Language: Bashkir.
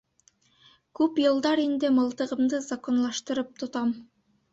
Күп йылдар инде мылтығымды законлаштырып тотам.